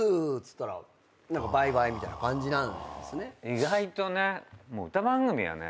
意外とね。